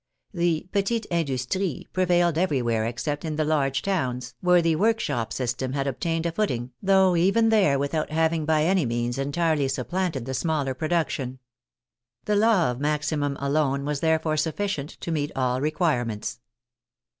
The petite industrie prevailed everywhere except in the large towns, where the workshop system had obtained a foot ing, though even there without having by any means entirely supplanted the smaller production. The law of maximum alone was therefore sufficient to meet all re quirements.